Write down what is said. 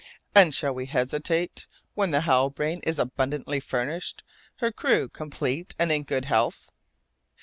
And shall we hesitate, when the Halbrane is abundantly furnished, her crew complete and in good health?